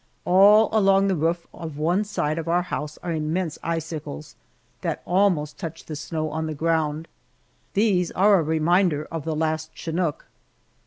All along the roof of one side of our house are immense icicles that almost touch the snow on the ground. These are a reminder of the last chinook!